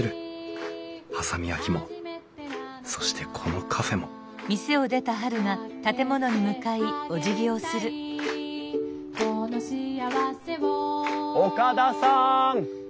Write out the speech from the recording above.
波佐見焼もそしてこのカフェも岡田さん！